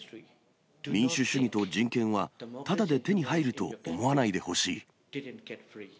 民主主義と人権は、ただで手に入ると思わないでほしい。